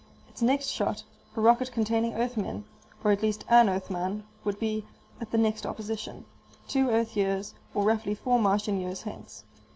Its next shot, a rocket containing Earthmen, or at least an Earthman, would be at the next opposition, two Earth years, or roughly four Martian years, hence.